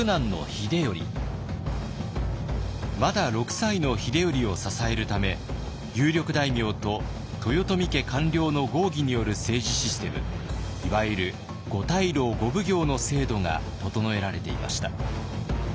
まだ６歳の秀頼を支えるため有力大名と豊臣家官僚の合議による政治システムいわゆる五大老・五奉行の制度が整えられていました。